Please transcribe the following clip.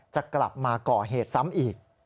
จะกลับมาก่อเหตุซ้ำอีก